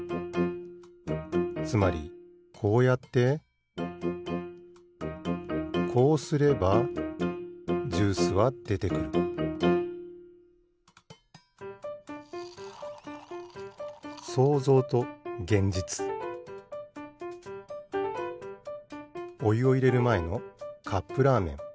つまりこうやってこうすればジュースはでてくるおゆをいれるまえのカップラーメン。